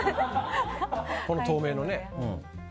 この透明のね。